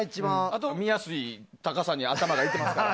あと、見やすい高さに頭がいってますから。